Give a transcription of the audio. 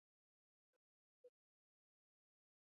پکتیکا د افغانانو د تفریح یوه وسیله ده.